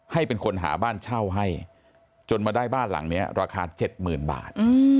ให้เป็นคนหาบ้านเช่าให้จนมาได้บ้านหลังนี้ราคา๗๐๐๐บาท